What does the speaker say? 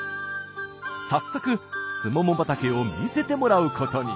早速すもも畑を見せてもらうことに。